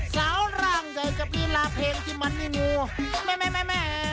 สารร่างใดกับรีลาเพลงที่มันมีหนูแม่แม่